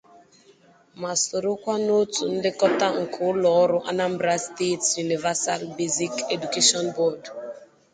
ma sorokwa n'òtù nlekọta nke ụlọọrụ Anambra State Universal Basic Education Board